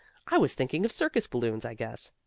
I was thinking of circus balloons, I guess.